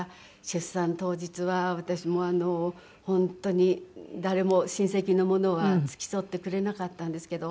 出産当日は私も本当に誰も親戚の者は付き添ってくれなかったんですけど。